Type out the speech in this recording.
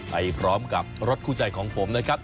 ไปพร้อมกับรถคู่ใจของผมนะครับ